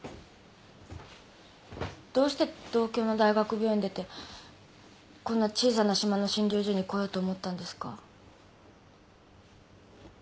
どうして東京の大学病院出てこんな小さな島の診療所に来ようと思ったんですか？